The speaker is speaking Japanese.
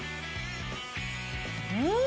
うん！